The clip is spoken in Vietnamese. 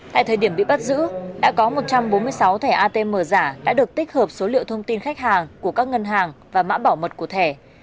tại thời điểm bị bắt giữ đã có một trăm bốn mươi sáu thẻ atm giả đã được tích hợp số liệu thông tin khách hàng của các ngân hàng và mã bảo mật của thẻ